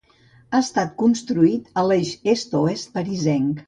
Ha estat construït a l'eix est-oest parisenc.